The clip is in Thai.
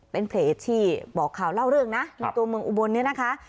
เป็นเพจที่บอกข่าวเล่าเรื่องนะในตัวเมืองอุบลเนี่ยนะคะ